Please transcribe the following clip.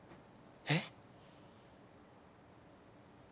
えっ！？